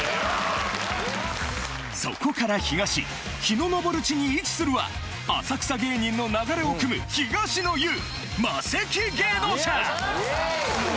そこから東日の昇る地に位置するは浅草芸人の流れを汲む東の雄